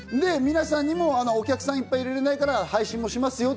皆さんにもお客さんをいっぱい入れられないから、配信もします